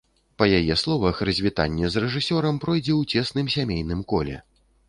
Па яе словах, развітанне з рэжысёрам пройдзе ў цесным сямейным коле.